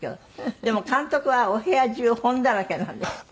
でも監督はお部屋中本だらけなんですって？